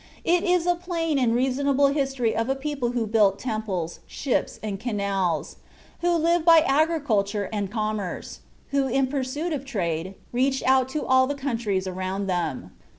It is a plain and reasonable history of a people who built temples, ships, and canals; who lived by agriculture and commerce: who in pursuit of trade, reached out to all the countries around them.